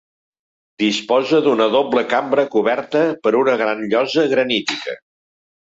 Disposa d'una doble cambra coberta per una gran llosa granítica.